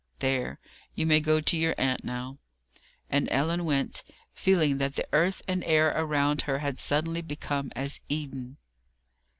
There, you may go to your aunt now." And Ellen went, feeling that the earth and air around her had suddenly become as Eden.